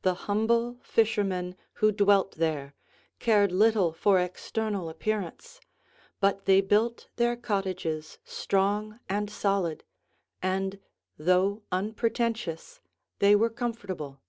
The humble fishermen who dwelt there cared little for external appearance, but they built their cottages strong and solid and, though unpretentious, they were comfortable.